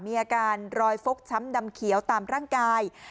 มีอาการรอยฟกช้ำดำเขียวตามร่างกาย